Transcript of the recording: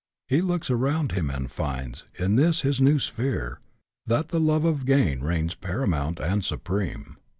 He looks around him and finds, in this his new sphere, that the love of gain reigns paramount and supreme.